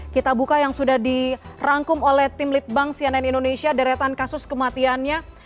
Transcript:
kita buka yang sudah dirangkum oleh tim litbang cnn indonesia deretan kasus kematiannya